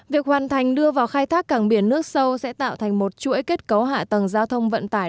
việc hoàn thành đưa vào khai thác cảng biển nước sâu sẽ tạo thành một chuỗi kết cấu hạ tầng giao thông vận tải